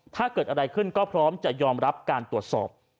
ถ้าเกิดอะไรขึ้นก็พร้อมจะยอมรับการตรวจสอบ